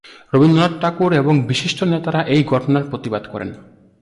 রবীন্দ্রনাথ ঠাকুর এবং বিশিষ্ট নেতারা এই ঘটনার প্রতিবাদ করেন।